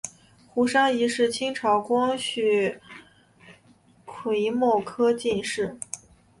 胡商彝是清朝光绪癸卯科进士。